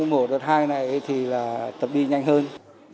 mổ đợt hai này thì là tập đi nhanh hơn